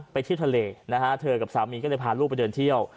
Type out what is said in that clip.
เที่ยวทะเลนะฮะเธอกับสามีก็เลยพาลูกไปเดินเที่ยว